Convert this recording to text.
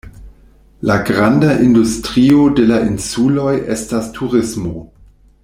La granda industrio de la insuloj estas turismo.